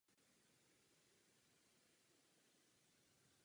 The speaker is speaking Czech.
Obloukem se stáčí k východu a vychází jižně od obce Mělník do volné krajiny.